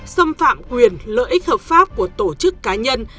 xâm phạm quyền lợi ích hợp pháp của tổ chức cá nhân